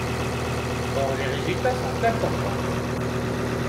Or, les résultats sont importants.